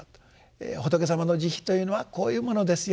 仏様の慈悲というのはこういうものですよ。